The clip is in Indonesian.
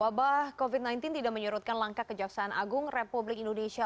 wabah covid sembilan belas tidak menyerutkan langkah kejaksaan agung republik indonesia